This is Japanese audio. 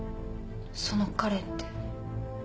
その彼って？